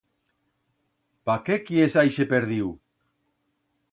Pa qué quiers a ixe perdiu!